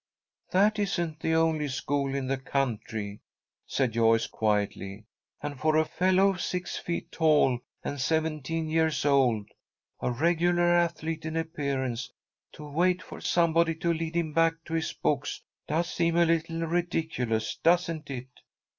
"That isn't the only school in the country," said Joyce, quietly, "and for a fellow six feet tall, and seventeen years old, a regular athlete in appearance, to wait for somebody to lead him back to his books does seem a little ridiculous, doesn't it?"